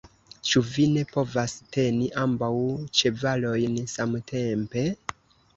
Ĉu vi ne povas teni ambaŭ ĉevalojn samtempe?